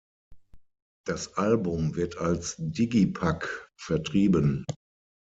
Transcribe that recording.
Das Album wird als Digipack vertrieben.